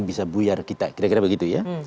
bisa buyar kita kira kira begitu ya